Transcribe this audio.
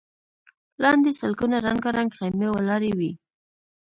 لاندې سلګونه رنګارنګ خيمې ولاړې وې.